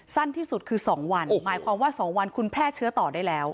สั้นที่สุดคือ๒วันหมายความว่า๒วันคุณแพร่เชื้อต่อได้แล้ว